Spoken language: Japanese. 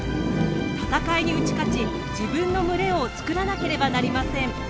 戦いに打ち勝ち自分の群れを作らなければなりません。